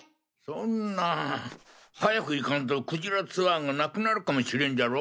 そんな早く行かんとクジラツアーがなくなるかもしれんじゃろ？